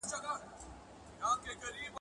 پکښي عیب یې وو د هر سړي کتلی ,